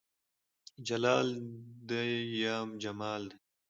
جلال دى يا جمال دى